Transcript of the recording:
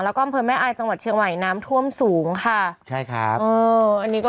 แล้วก็อำเภอแม่อายจังหวัดเชียงใหม่น้ำท่วมสูงค่ะใช่ครับเอออันนี้ก็